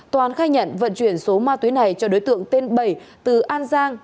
toàn khai nhận vận chuyển số ma túy này cho đối tượng tên bảy từ an giang